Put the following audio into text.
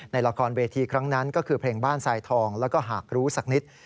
ในละครเวทีครั้งนั้นก็คือเพลงบ้านทรายทองแล้วก็หากรู้สักนิด